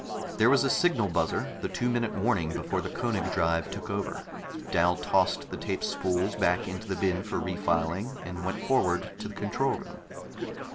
There was a signal buzzer, the two minute warning before the Koenig drive took over. Dal tossed the tape spools back into the bin for refiling, and went forward to the control room.